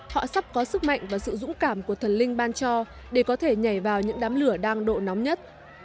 họ sắp có sức mạnh và sự dũng cảm của thần linh ban cho để có thể nhảy vào những đám lửa đang độ nóng nhất